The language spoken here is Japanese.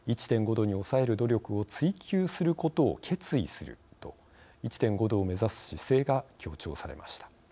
℃に抑える努力を追求することを決意すると１．５℃を目指す姿勢が強調されました。